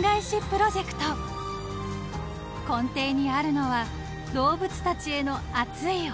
［根底にあるのは動物たちへの熱い思い］